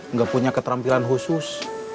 nggak punya keterampilan khusus